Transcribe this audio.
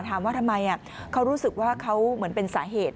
ถามว่าทำไมเขารู้สึกว่าเขาเหมือนเป็นสาเหตุ